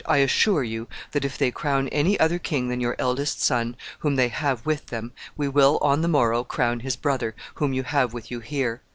I assure you that, if they crown any other king than your eldest son, whom they have with them, we will, on the morrow, crown his brother, whom you have with you here.